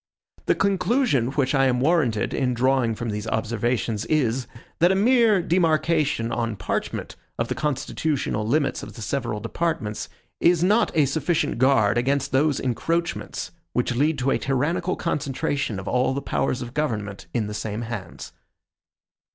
The conclusion which I am warranted in drawing from these observations is, that a mere demarcation on parchment of the constitutional limits of the several departments, is not a sufficient guard against those encroachments which lead to a tyrannical concentration of all the powers of government in the same hands.